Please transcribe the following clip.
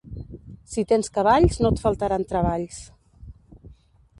Si tens cavalls no et faltaran treballs.